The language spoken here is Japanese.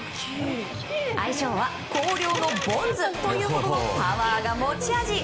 相性は広陵のボンズというほどのパワーが持ち味。